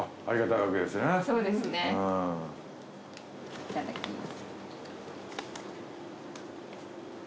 いただきます。